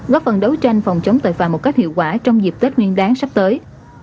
góp phần đấu tranh phòng chống tội phạm một cách hiệu quả trong dịp tết nguyên đáng sắp tới